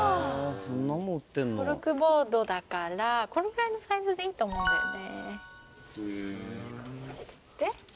コルクボードだからこのぐらいのサイズでいいと思うんだよね。